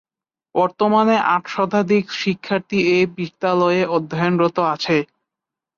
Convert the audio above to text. বর্তমানে আট শতাধিক শিক্ষার্থী এ বিদ্যালয়ে অধ্যয়নরত আছে।